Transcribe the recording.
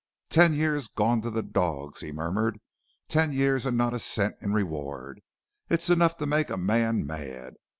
'Ten years gone to the dogs,' he murmured; 'ten years, and not a cent in reward! It is enough to make a man mad.'